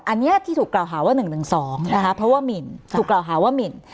อันนี้ที่ถูกกล่าวหาว่า๑๑๒นะคะเพราะว่าหมินถูกกล่าวหาว่าหมิน